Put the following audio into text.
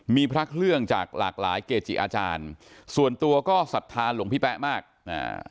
มีพระเครื่องจากหลากหลายเกจิอาจารย์ส่วนตัวก็ศรัทธาหลวงพี่แป๊ะมากอ่า